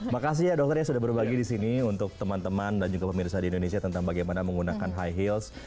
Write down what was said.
makasih ya dokter ya sudah berbagi di sini untuk teman teman dan juga pemirsa di indonesia tentang bagaimana menggunakan high heels